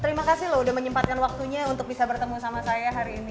terima kasih loh udah menyempatkan waktunya untuk bisa bertemu sama saya hari ini